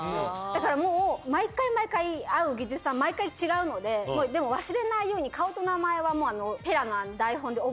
だからもう、毎回毎回会う技術さん、毎回違うので、でも忘れないように、顔と名前は、えらい。